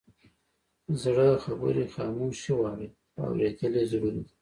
زړه خبرې خاموشي غواړي، خو اورېدل یې ضروري دي.